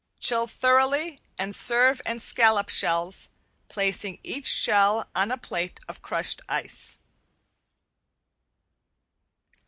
Chill thoroughly and serve in scallop shells, placing each shell on a plate of crushed ice.